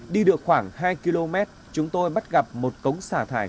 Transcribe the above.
đi được khoảng hai km chúng tôi bắt gặp một cống xả thải